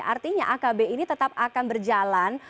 artinya akb ini tetap akan berjalan